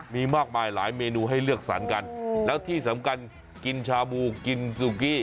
มีมากมายหลายเมนูให้เลือกสรรกันแล้วที่สำคัญกินชาบูกินซูกี้